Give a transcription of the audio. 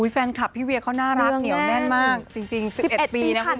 ฟันคลับพี่เวียเขาน่ารักเหนียวแน่นมากจริง๑๑ปีนะครับพี่หวม๑๑ปีคัน